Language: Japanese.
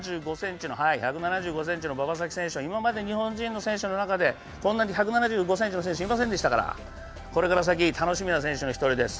１７５ｃｍの馬場咲希選手は、今までの日本人の選手の中で１７５ｃｍの選手はいませんでしたからこれから先、楽しみな選手の一人です。